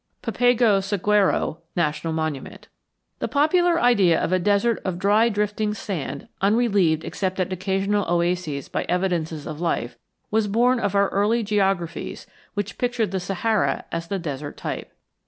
PAPAGO SAGUARO NATIONAL MONUMENT The popular idea of a desert of dry drifting sand unrelieved except at occasional oases by evidences of life was born of our early geographies, which pictured the Sahara as the desert type.